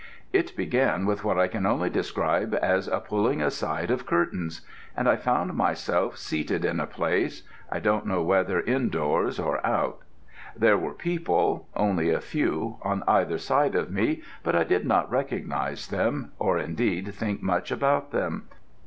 It began with what I can only describe as a pulling aside of curtains: and I found myself seated in a place I don't know whether in doors or out. There were people only a few on either side of me, but I did not recognize them, or indeed think much about them.